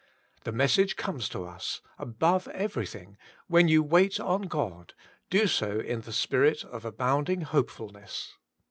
The message comes to us, * Above everything, when you wait on God, do so in the spirit of abounding hopefulness.